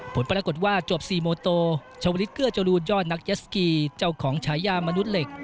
ผลปรากฏว่าจบ๔โมโตชาวลิศเกื้อจรูนยอดนักเจสกีเจ้าของฉายามนุษย์เหล็ก